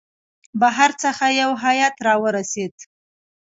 بهر څخه یو هیئات را ورسېد.